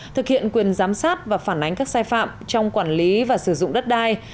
thực hiện quyền giám sát và phản ánh các sai phạm trong quản lý và sử dụng đất đai